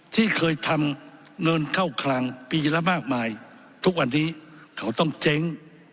ที่เคยทำเงินเข้าคลังปีละมากมายทุกวันนี้เขาต้องเจ๊ง